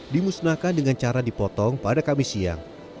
dimusnahkan dengan cara dipotong pada kamis siang